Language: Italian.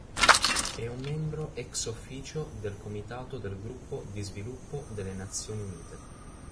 È un membro ex-officio del Comitato del Gruppo di Sviluppo delle Nazioni Unite.